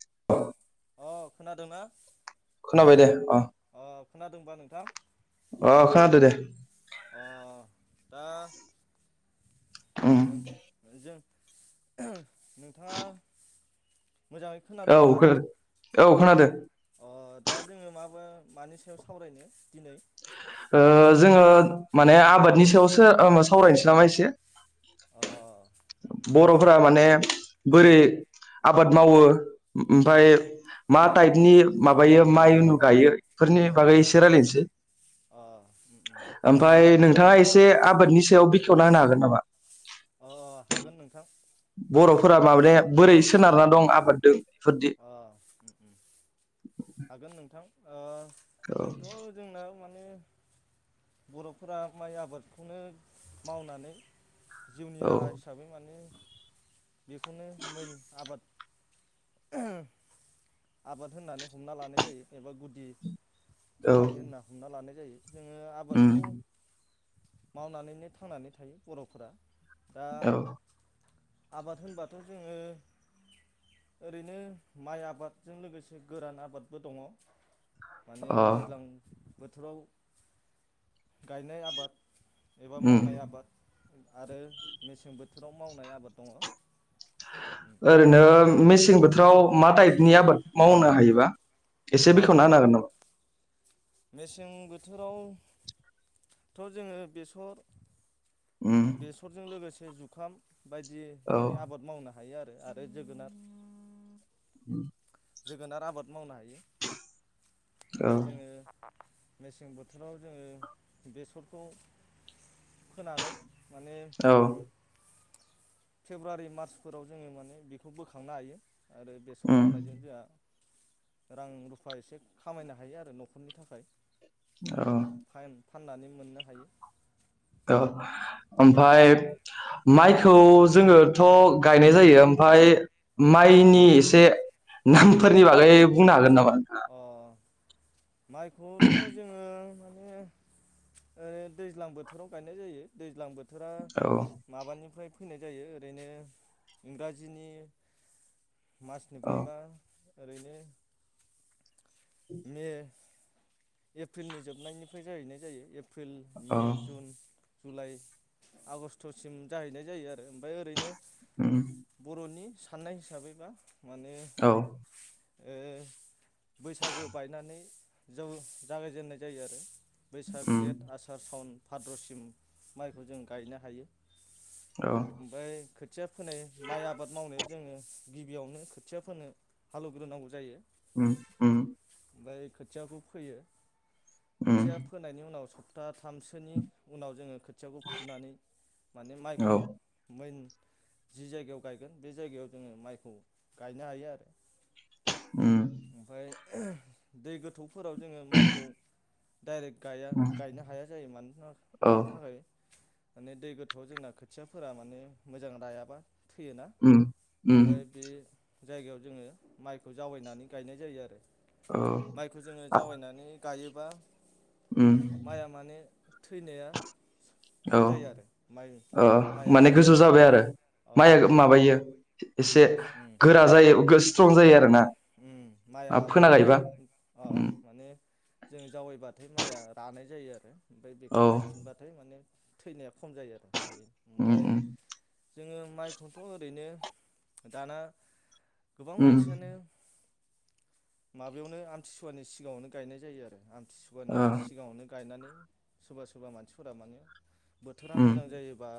[inaudible] अ खोनादोंना? खोनाबाय दे अ' खोनादोंबा नोंथां? अ खोनादो दे। अ दा उम नों नोंजों नोंथांआ मोजाङै औ खोनादोंबा? खोनादो औ खोनादो। अ दा जोङो माबा मानि सायाव सावरायनो दिनै? ओ जोङो माने आबादनि सायावसो ओ सावरायनोसै नामा एसे? अ उम उम बर'फोरा माने बोरै उम आबाद मावो उम ओमफाय मा टाइपनि माबायो माइ उनु गायो बेफोरनि अ बागै एसे रायलायनोसै। अ उम उम ओमफाय नोंथाङा एसे से आबादनि सायाव बेखेवना होनो हागोन नामा? अ हागोन नोंथां। बर'फोरा माने बोरै सोनारना दं आबादजों बेफोरदि अ' हागोन नोंथां। ओ औ जोंथ' जोंना इमान बिनो बर'फोरा माइ आबादखौनो मावनानै जिउनि औ राहा हिसाबै माने बेखौनो मिन आबाद [unintelligible] आबाद होननानै हमना लानाय जायो एबा गुदि औ खामानि होनना हमना लानाय जायो। जोङो उम आबादखौ मावनानैनो थांनानै थायो बर'फोरा दा औ आबाद होनबाथ' जोङो ओरैनो माइ आबाद जों लोगोसे गोरान आबादबो दङ। माने अ दैज्लां‌ बोथोराव गायनाय आबाद एबा उम मावनाय आबाद आरो मेसें बोथोराव मावनाय आबाद दङ। ओरैनो ओमफ्राय मेसें बोथोराव मा टाइपनि आबाद मावनो हायोबा। एसे ओ बेखेवना होनो हागोन नामा? मेसें बोथोराव थ' जोङो बेसर उम बेसरजों लोगोसे ए जुखाम बायदि औ माने आबाद मावना हायो आरो आरो जोगोनार उम। जोगोनार आबाद मावनो हायो। औ ओमफाय जोङो मेसें बोथोराव जोङो बेसरखौ फोनानै माने औ फेब्रुवारि मार्चफोराव जोङो माने बेखौ बोखांनो हायो। आरो बेसर उम मावनायजों जोंहा रां रुफा एसे खामायनो हायो आरो न'खरनि थाखाय। औ फाइन फाननानै मोननो हायो। औ ओमफ्राय माइखौ जोङोथ' गायनाय जायो ओमफ्राय माइनि एसे नामफोरनि बागै बुंनो हागोन नामा? [unintelligible] अ माइखौथ' जोङो नो ओ दैज्लां बोथोराव गायनाय जायो दैज्लां बो बोथोरा औ माबानिफ्राय फैनाय जायो ओरैनो इंराजिनि औ मासनिफ्रायबा ओरैनो मे एप्रिलनि जोबनायनिफ्राय जाहैनाय जायो एप एप्रिल औ मे जुन जुलाइ आगस्ट'सिम जाहैनाय जायो आरो ओमफ्राय ओरैनो उम बर'नि साननाय हिसाबै बा माने औ ओ बैसागो बायनानै जों जागायजेननाय जायो आरो। बैसाग उम जेठ आसार सावन। भाद्रसिम माइखौ जों गायनो हायो। औ ओमफाय खो खोथिया फोनाय माइ आबाद मावनायाव जोङो गिबियावनो खोथिया फोनो हालेवग्रोनांगौ जायो। उ उ। ओमफ्राय खोथियाबो फोयो। उम खोथिया फोनायनि उनाव स [unintelligible] थामसोनि उनाव जोङो खोथियाखौ फुनानै माने माइखौ औ मोन जि जायगायाव गायगोन बे जायगायाव जोङो माइखौ गायनो हायो आरो। उ। ओमफ्राय दै गोथौ फोराव जोङो माइखौ डाइरेक्ट गाया उम गायनो हाया जायो मानि औ मानो थाखाय माने दै गोथौआव जोंना खोथियाफोरा माने मोजां रायाबा थैयोना उम उम ओमफ्राय बे जायगायाव जोङो माइखौ जावैनानै गायनाय जायो आरो औ माइखौ जोङो आ जावैनानै गायोबा उम माइआ मानो थैनाया खम औ जायो आरो म ओ माइया माने थैनाया गोजौ खम जाबाय आरो जायो अ माइया माबायो एसे गोरा जायो सम जायो आरो ना माइया माने इयावनो अ उम माने जों जावैबा माइया रानाय जायो आरो ओमफ्राय बेखौ औ गायफिनबाथाय माने थैनाया खम जायो आरो बे उ ओमफ्राय जोङो माइखौथ' ओरैनो दाना गोबां उम मानसियानो माबायावनो आमथिसुवानि सिगाङावनो गायनाय जायो आरो आमथि खथिसुगानि ओ सिगाङावनो गायनानै सोरबा सोरबा मानसिफोरा माने बोथोरा उम मोजां जायोबा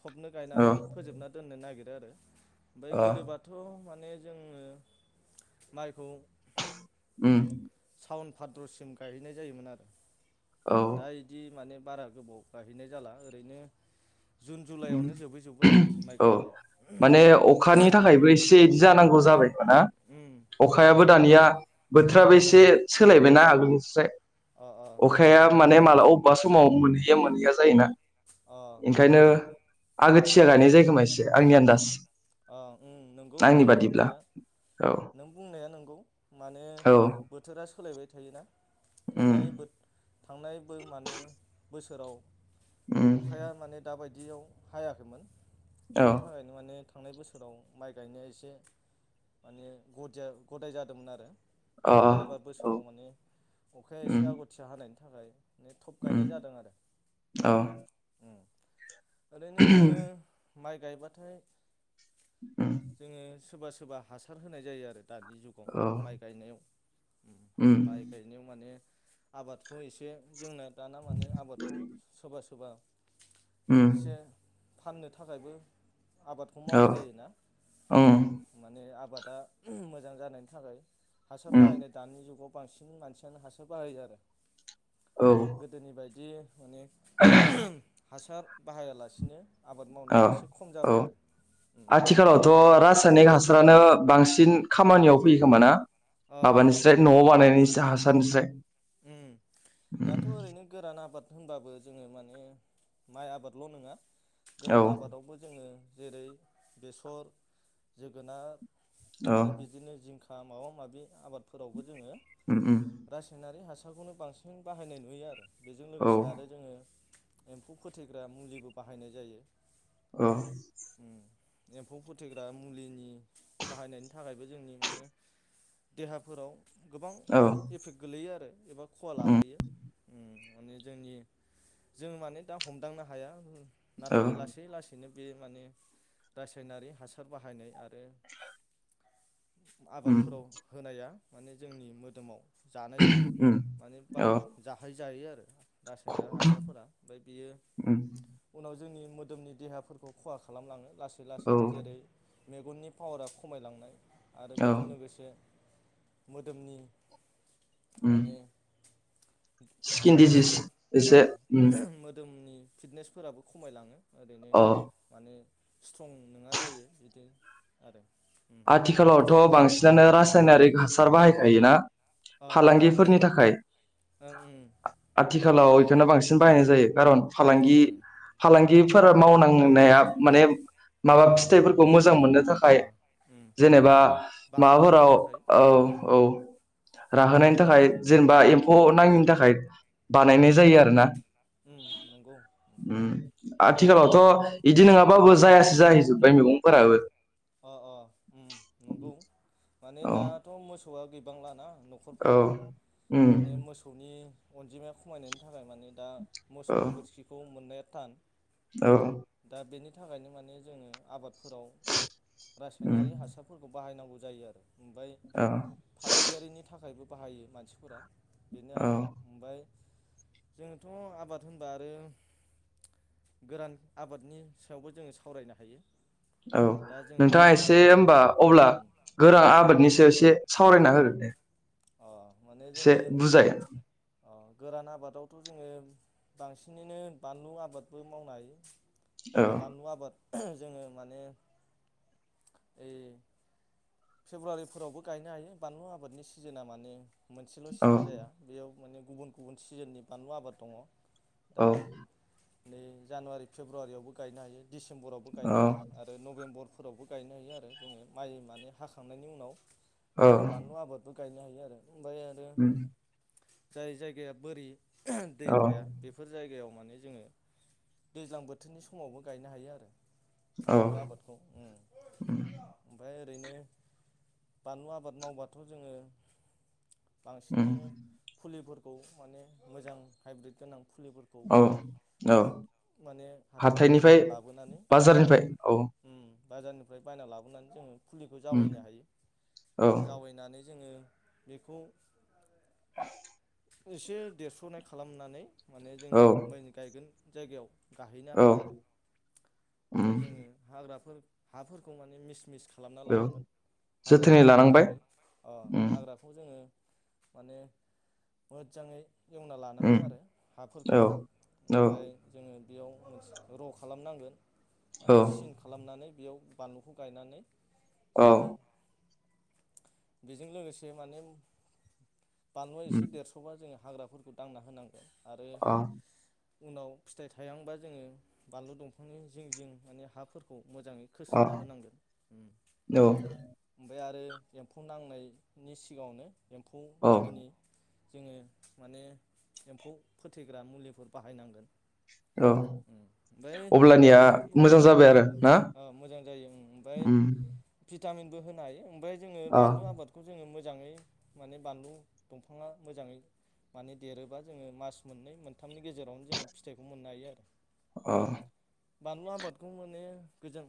थबनो औ ओ गायनानै फोजोबना दोननो नागिरदों आरो ओमफ्राय गोदोबाथ' मान माने जोङो माइखौ उम साउन भाद्रसिम गायहैनाय जायोमोन आरो औ दा बिदि माने बारा गोबाव गाहैनाय जाला ओरैनो जुन जुलाइआवनो जोबहैजोबो आरो माइ औ गायनाया माने अखानि थाखायबो एसे जानांगौ अ जाबाय मोना उम अखायाबो दानिया अ बोथोराबो एसे सोलायबायनाा आगोल अ अ [inaudible] उम अखाया माने मालाबा अबेबा समाव मोन बियो मोनहैया जायोना अ उम ओंखायनो उम आगोथिया उम गायनाय जायो खोमा एसे आ नि आन्दास अ ओं नोंगौ नों बुंनाया औ नों बुंनाया नोंगौ माने औ बोथोरा सोलायबाय थायोना उम थांनायबो थांनायबो माने बो थोराव उम अखाया माने दा बाय दियाव हायाखैमोन औ बेनि थाखायनो माने थांनाय बोसोराव माइ गायनाया एसे माने गदिया गदाय जादोंमोन आरो अ दा एबार औ बोसोराव माने अखाया एसे उम आगथिया हानाय नि थाखाय ने थप उम गायनाय जादों आरो औ उम ओरैनो जोङो माइ गायबाथाय ओं जोङो सोरबा सोरबा हासार होनाय जायो आरो दानि जुगाव औ माइ गायनायाव उम माइ गायनायाव माने आबादखौ एसे जोंना दाना माने आबादखौ सोरबा सोरबा उम एसे फाननो थाखायबो आ खौ औ मावनाय जायोना ओ उम माने आबाद दा मोजां जानायनि थाखाय हासार उम बाहायनाय दानि जुगाव बांसिन मानसियानो हासार बाहायो आरो औ गोदोनि बाय दि माने ओहोम हासार बाहायालासिनो आबाद मावनाया औ इसे खम जाबाय औ आरो उम आथिखालावथ' रासायनिक हासारानो बांस सिन खामानियाव फैयो खोमा ना? अ उम माबानिस्राय नंगौ न'आव बानायनायनिसाय हास होनसे उम दाथ' ओरैनो गोरान आबाद होनबाबो जोङो माने माइ आबादल' नङा। औ गोरान आबादावबो जोङो जेरै बेसर जोगोनार औ आरो बिदिनो जिंख माबा माबि आबाद फोरावबो जोङो उम उम रास आरो हासारखौनो बांसिन बाहायनाय नुयो आरो बेजों औ लोगोसे आरो जोङो एम्फौ फोथैग्रा मुलिबो बाहायनाय जायो। अ उम एम्फौ फोथैग्रा मुलिनि बाहायनायनि थाखायबो जोंनि माने देहाफोराव गोबां औ एफेक्ट गोलैयो आरो एबा खहा उम लाबोयो। माने जोंनि जों माने दा हमदांनो हाया उम औ नाथाय लासै लासैनो बे माने रासायनारि हासार बाहायनाय आरो उम आबादफोराव होनाया माने जोंनि मोदोमाव जानोजों उम माने बा औ जाहै जायो आरो ख रासायना हासारफोरा ओमफाय बियो उम उनाव जोंनि मोदोमनि देहाफोरखौ खहा खालामलाङो। लासै लासैनो औ जेरै मेगननि पावारा खमायलांनाय आरो औ बेजों लोगोसे [inaudible] उम माने [inaudible] स्किन डिजिस एसे उम फिटनेसफोराबो खमायलाङो [inaudible] अ स्ट्रं नङा जायो बिदि आरो उम आथिखालावथ' बांसिनानो राज नारि हासार बाहायखायो ना? अ अ फालांगिफोरनि नंगौ थाखाय ओं उम आथिखालाव बेखौनो बांसिन उम बाहायनाय जायो खारन फालांगि उम फालां दिफोरा मावनांनाया माने माबा अ फिथाइफोरखौ मोजां मोननो अ थाखाय उम जेनेबा बांहोनायनि माबाफोराव थाखाय औ उम औ राहोनायनि थाखाय जेनेबा उम एम्फौ नाङिनि थाखाय अ बानायनाय जायो आरो ना उम नंगौ उम आथिखालावथ' बिदि नङाबाबो जायासै जाहैजोबबाय मैगंफोराबो [inaudible] अ अ उम नंगौ माने दाथ' मोसौआ गैबां लाना औ न'खरफोराव उम माने मोसौनि अनजिमाया खमायनायनि थाख ओमफ्राय माने दा औ मोसौ गोबोरखिखौ मोननाय तान औ बे थाखायनो माने जोङो आबादफोराव उम रासायनारि हासारफोरखौ बाहायनांगौ जायो आरो ओमफ्राय औ फालांगियारिनि थाखायबो बाहायो मानसिफोरा बेनो औ आरो ओमफ्राय जोङोथ' आबाद होनबा आरो गोरान आबादनि सायावबो जोङो सावरायनो हायो औ दा जोङो नोंथाङा जोगोनार एसे आबाद होनोमबा अब्ला उम उम गोरां आबादनि सायाव एसे सावरायना होगोन दे अ माने एसे जोङो बुजाय अ गोरान आबादावथ' जोङो बांसिनैनो बानलु आबादबो मावनो हायो औ बानलु आबाद। जोङो माने ओइ फेब्रुवारिफोरावबो गायनो हायो बानलु आबादनि सिजोना माने मोनसेल' औ सिजोन जाया बेयाव। माने गुबुन गुबुन सिजेननि बानलु आबाद दङ। दा औ नै जानुवारि फेब्रुआरि यावबो गायनो हायो। दिडिसिम्बरावबो औ गायनोहायो आरो नबेम्बर फोरावबो गायनो हायोआरो जोङो माइ माने हाखांनायनि उनाव। औ जोङो बानलु आबोद गायनो हायो आरो। ओमबाय आरो उम जाय जायगाया बोरि ओह दै औ थाया बेफोर जायगायाव माने जोङो दैज्लां बोथोरनि समावबो गायनो हायो आरो। औ बानलु आबादखौ उम उम ओम फाय ओरैनो बानलु आबाद मावबाथ जोङो उम बांसिन फुलिफोर खौ माने मोजां हायब्रिद गोनां। फुलिफोरखौ औ औ माने हाथायनिफ्राय हाथाइनिफ्राय बायना लाबोनानै अह बाजारनिफ्राय औ उम। बाजारनिफाय बायना लाबोनानै जोङो फुलिखौ उम जावायनो हायो औ जावायनानै जोङो बेखौ [inaudible] एसे देरस्रनाय खालामनानै माने जोङो औ मैयन गायगोन। जाइगायाव गाहैनो औ हायोआरो उम ओमफाय जोङो हाग्राफोर हाफोरखौ माने मिस मिस खालामना औ लानांगोन जोथोनै हाग्राफोरखौ लानांबाय मोजाङै अह उम हाग्राखौ जों जोङो माने मोदजाङै एवना उम लानांगोनआरो हाफोरखौ औ औ ओमफाय जोङो बेयाव मोनस र' खालामनांगोन। औ माने सिन खालामनानै। बेयाव बानलुखौ गायनानै औ जोङो बेजों लोगोसे माने बानलुआ उम एसे देरस'बा जोङा हाग्राफोरखौ दांना होनांगौ आरो अ उनाव फिथाइ थायांबा जोङो बानलु दंफांनि जिं जिं माने हाफोरखौ मोजाङै अ खोस्रोना होनांगोन औ ओमफाय आरो एम्फौ नांनायनि सिगाङावनो एम्फौ औ नाङिनि जोङो माने एम्फौ फोथैग्रा मुलिफोर बाहायनांगोन। औ ओमफाय अब्लानिया ओरैनोथ' ओम मोजां जाबाय आरो ना ओ मोजां जायो उम ओमफाय उम [unintelligible] भिटामिनबो होनो हायो ओमफाय अ बानलु आबादखौ जोङो मो जाङै माने बानलु दंफाङा मोजाङै माने देरोबा जोङो मास मोननै मोनथामनि गेजेरावनो जोङो फिथाइखौ मोननो हायो आरो अ। बानलु आबादखौ माने गोजोन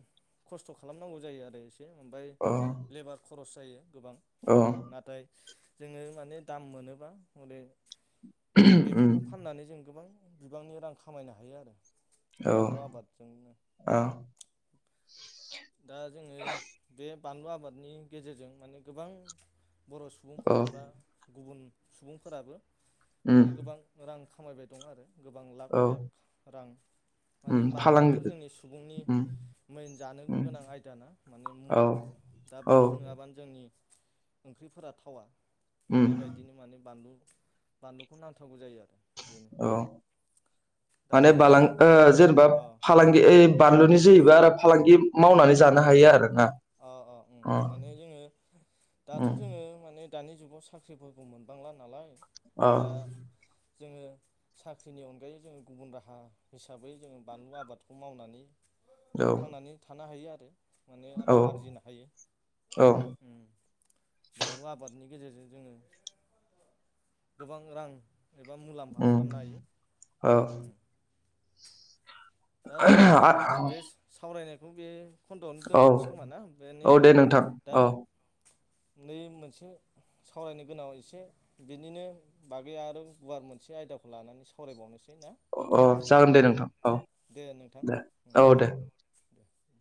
खस्थ' खालामनांगौ जायो आरो एसे ओमफाय अ लेबार खरस जायो। गोबां औ नाथाय जोङो माने दाम मोनोबा हरै माने उम बेफोरखौ फाननानै जों गोबां बिबांनि रां खामायनो हायो आरो औ बानलु आबादजोंनो। औ दा जोङो बे बानलु आबादनि गेजेरजों माने गोबां बर' सुबुंफोर औ एबा गुबुन सुबुंफोराबो उम माने गोबां रां खामायबाय दं आरो गोबां लाख औ लाख रां माने उम बानलुआथ' फालांगि जोंनि सुबुंनि उम मेइन जानो उम गोनां आयदाना माने औ मुवा दा औ बानलु नङाबानो जोंनि ओंख्रिफोरा थावा उम बेबायदिनो माने बानलु बानलुखौ नांथांरगौ जायो आरो बेनो औ दा माने जोङो बालां ओ जेनेबा अ फालांगि ओइ बानलुनि जोयोबा आरो फालांगि मावनानै जानो हायो आरो अ अ ओं माने जोङो दाथ' उम जोङो माने दानि जुगाव साख्रिफोरखौ मोनबांला नालाय औ दा जोङो साख्रिनि अनगायै जोङो गुबुन राहा हिसाबै जोङो बानलु आबादखौ मावनानै थांनानै थानो हायो आ रो औ रां आरजिनो हायो औ बानलु आबादनि गेजेरजों जोङो गोबां रां एबा मुलाम्फा उम खालामनो हायो औ दा जोङो बेस सावराय [unintelligible] बे खन्द'आवनो आ औ दोन्थ'नोसै खोमा ना बेनो औ दे नोंथां दा औ नै मोनसे सावरायनो गोनां एसे बिनिनो बागै आरो गुवार मोनसे आयदाखौ लानानै सावरायबावनोस अ अ जागोन दे नोंथां औ दे नोंथां दे ओम औ दे [unintelligible]